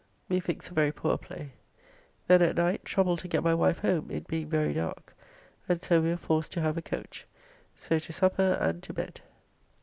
Methinks a very poor play. Then at night troubled to get my wife home, it being very dark, and so we were forced to have a coach. So to supper and to bed.